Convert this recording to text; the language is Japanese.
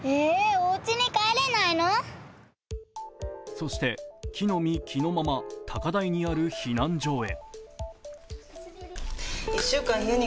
そして着の身着のまま高台にある避難所へ。